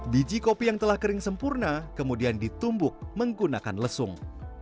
biji kopi yang telah kering sempurna kemudian ditumbuk menggunakan lesung